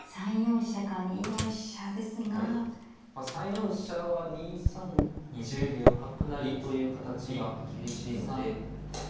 ３四飛車は２三角成という形が厳しいので。